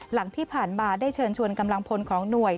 หลังที่ผ่านมาได้เชิญชวนกำลังพลของหน่วย